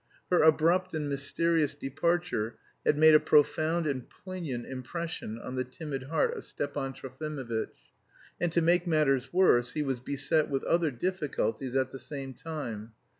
Her abrupt and mysterious departure had made a profound and poignant impression on the timid heart of Stepan Trofimovitch, and to make matters worse he was beset with other difficulties at the same time.